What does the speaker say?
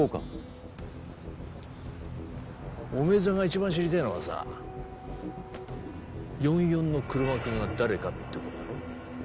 お前さんが一番知りてえのはさ４４の黒幕が誰かって事だろ？